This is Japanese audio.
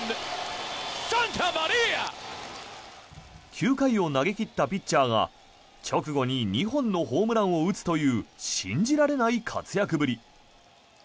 ９回を投げ切ったピッチャーが直後に２本のホームランを打つという信じられない活躍ぶり。